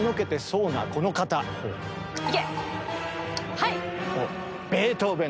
はい！